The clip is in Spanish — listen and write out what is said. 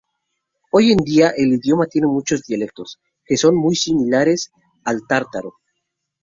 Hoy en día el idioma tiene muchos dialectos, que son muy similares al tártaro.